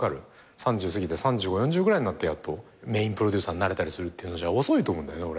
３０過ぎて３５４０ぐらいになってメインプロデューサーになれたりするじゃ遅いと思うんだよね俺。